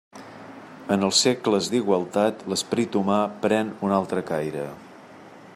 En els segles d'igualtat, l'esperit humà pren un altre caire.